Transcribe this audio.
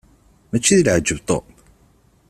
Mačči d leɛjeb Tom?